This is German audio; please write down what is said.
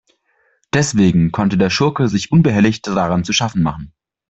Deswegen konnte der Schurke sich unbehelligt daran zu schaffen machen.